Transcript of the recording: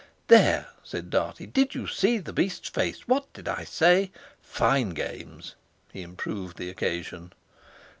"There!" said Dartie, "did you see the beast's face? What did I say? Fine games!" He improved the occasion.